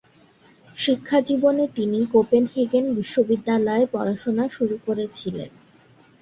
শিক্ষাজীবনে তিনি কোপেনহেগেন বিশ্ববিদ্যালয়ে পড়াশোনা শুরু করেছিলেন।